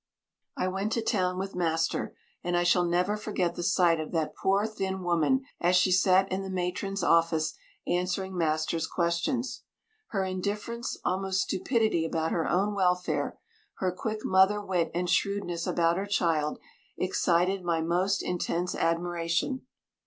I went to town with master, and I shall never forget the sight of that poor, thin woman as she sat in the matron's office answering master's questions. Her indifference, almost stupidity about her own welfare, her quick mother wit and shrewdness about her child, excited my most intense admiration.